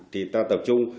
thì ta tập trung